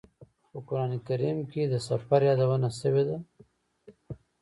په قران کریم کې د سفر یادونه شوې ده.